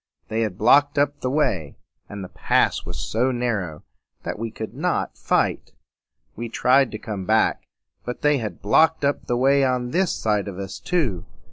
They had blocked up the way; and the pass was so narrow that we could not fight. We tried to come back; but they had blocked up the way on this side of us too.